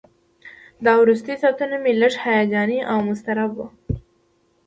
دا وروستي ساعتونه مې لږ هیجاني او مضطرب وو.